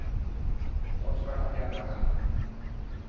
ও ছোঁড়াটাকে আর রাখা নয়।